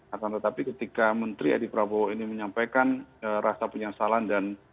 akan tetapi ketika menteri edi prabowo ini menyampaikan rasa penyesalan dan